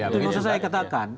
itu yang saya katakan